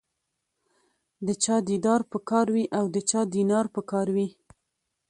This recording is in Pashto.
د چا دیدار په کار وي او د چا دینار په کار وي.